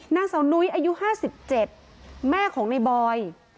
นางเสานุ้ยอายุห้าสิบเจ็ดแม่ของในบอย